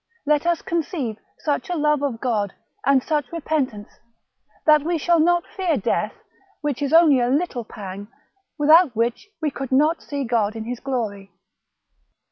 Let us conceive such a love of God, and such repentance, that we shall not fear death, which is only a little pang, without which we could not see God in his glory.